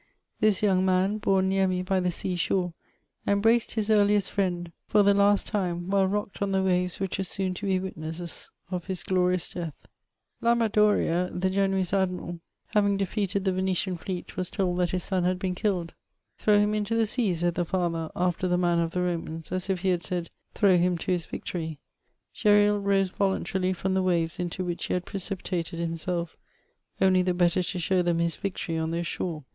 This young man, bom near me by the sea diore, embraced his eariieit friend for the last time while rocked on the waves which were soon to be witnesses of his gbrious death. Lamba Doria, the Genoese Admiral, having defeated the Venetian fleet, was told that im son had been killed :*' Throw him into the sea," said the &ther, after the manner of the Romans ; as 'if he had sud, ^' Throw him to his victory." Gesril rose voluntarily from the waves into which he had precipitated himself only the better to show them his victory on their shore.